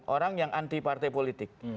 orang yang anti partai politik